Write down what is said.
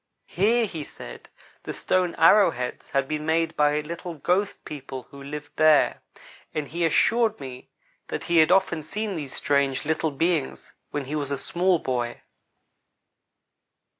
Here, he said, the stone arrow heads had been made by little ghost people who lived there, and he assured me that he had often seen these strange little beings when he was a small boy.